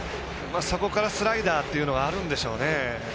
そこからスライダーというのがあるんでしょうね。